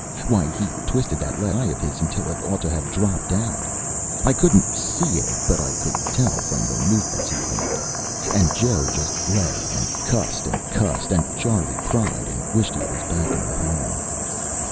Why, he twisted that left eye of his until it ought to have dropped out. I couldn't see it, but I could tell from the movements he made. And Joe just lay and cussed and cussed, and Charley cried and wished he was back in the Home.